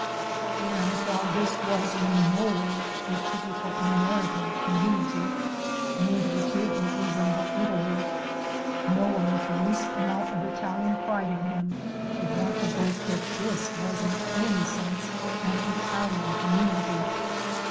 And while this was in no way a typical American community, neither did it resemble Italy. No one with the least amount of Italian pride in him would want to boast that this was in any sense an Italian community.